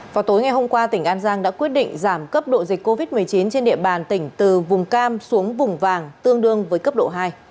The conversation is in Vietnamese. vào tối ngày hôm qua tỉnh an giang đã quyết định giảm cấp độ dịch covid một mươi chín trên địa bàn tỉnh từ vùng cam xuống vùng vàng tương đương với cấp độ hai